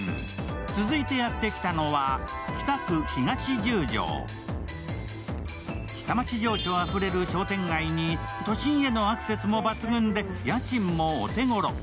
続いてやってきたのは、北区東十条下町情緒あふれる商店街に都心へのアクセスも抜群で家賃もお手ごろ。